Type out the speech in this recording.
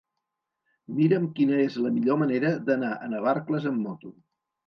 Mira'm quina és la millor manera d'anar a Navarcles amb moto.